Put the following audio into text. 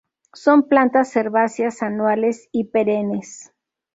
Son plantas herbáceas anuales y perennes.